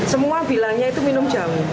semua bilangnya itu minum jamu